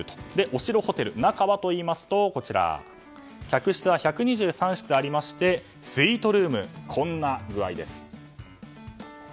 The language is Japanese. お城ホテルの中はといいますと客室は１２３室ありましてスイートルームはこんな具合です。